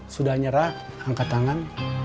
sudah nyerah angkat tangan